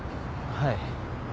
はい。